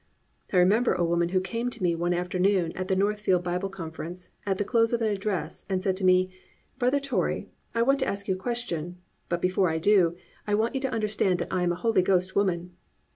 I remember a woman who came to me one afternoon at the Northfield Bible Conference at the close of an address and said to me, "Brother Torrey, I want to ask you a question; but before I do, I want you to understand that I am a Holy Ghost woman."